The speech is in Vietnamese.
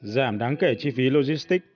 giảm đáng kể chi phí logistic